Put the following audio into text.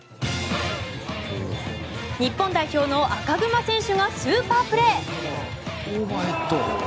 日本代表の赤熊選手がスーパープレー！